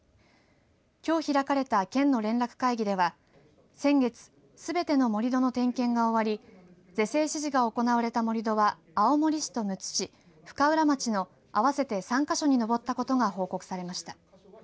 きょう開かれた県の連絡会議では先月、すべての盛り土の点検が終わり是正指示が行われた盛り土は青森市とむつ市、深浦町の合わせて３か所に上ったことが報告されました。